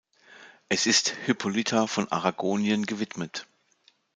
Es ist Hippolyta von Aragonien gewidmet.